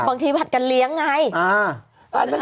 บางทีบาทกันเลี้ยงไง